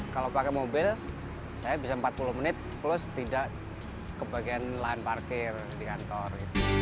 kalau pakai mobil saya bisa empat puluh menit plus tidak kebagian lahan parkir di kantor